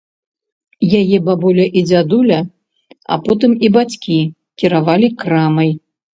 Яе бабуля і дзядуля, а потым і бацькі кіравалі крамай.